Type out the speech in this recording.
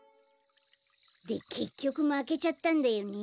でけっきょくまけちゃったんだよね。